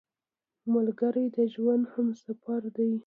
ملګری د ژوند همسفر دی